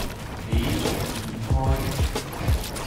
喜逐言開